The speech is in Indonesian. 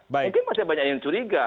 mungkin masih banyak yang curiga